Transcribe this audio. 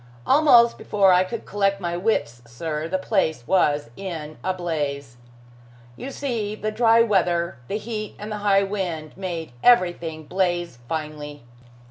Almost before I could collect my wits, sir, the place was in a blaze. You see the dry weather, the heat and the high wind, made everything blaze finely.